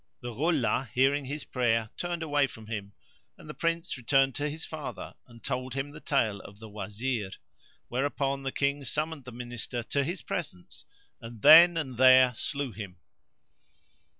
The Ghulah, hearing his prayer, turned away from him, and the Prince returned to his father, and told him the tale of the Wazir; whereupon the King summoned the Minister to his presence and then and there slew him.